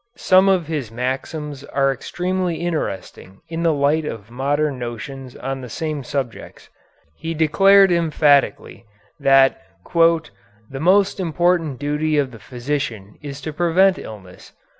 Some of his maxims are extremely interesting in the light of modern notions on the same subjects. He declared emphatically that "the most important duty of the physician is to prevent illness."